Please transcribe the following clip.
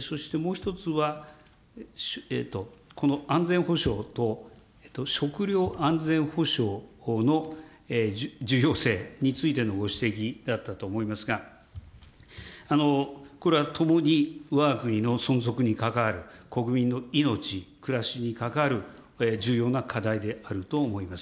そしてもう一つは、安全保障と食料食料安全保障の重要性についてのご指摘だったと思いますが、これはともにわが国の存続に関わる国民の命、暮らしに関わる重要な課題であると思います。